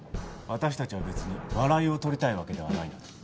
私たちは別に笑いを取りたいわけではないので。